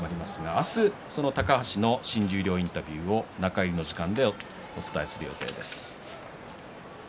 明日その高橋の新十両インタビューを中入りの時間でお伝えする予定です。